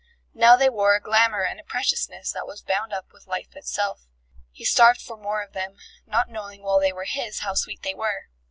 Now they wore a glamour and a preciousness that was bound up with life itself. He starved for more of them, not knowing while they were his how sweet they were.